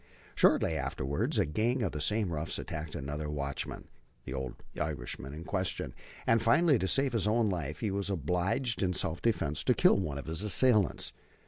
Shortly afterwards, a gang of the same roughs attacked another watchman, the old Irishman in question, and finally, to save his own life, he was obliged in self defense to kill one of his assailants.